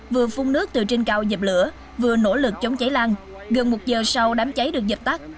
vừa phun nước từ trên cao dập lửa vừa nỗ lực chống cháy lan gần một giờ sau đám cháy được dập tắt